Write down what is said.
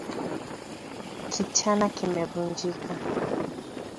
Kichana kimevunjika